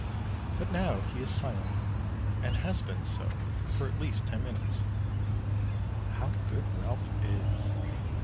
But now he is silent, and has been so for at least ten minutes. "How good Ralph is!"